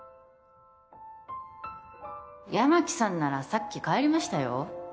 八巻さんならさっき帰りましたよ